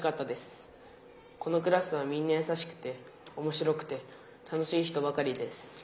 このクラスはみんなやさしくておもしろくて楽しい人ばかりです。